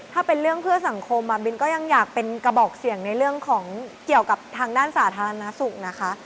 ถ้าเป็นเรื่องเพื่อสังคมบินก็ยังอยากเป็นกระบอกเสียงในเรื่องของเกี่ยวกับทางด้านสาธารณสุขนะคะ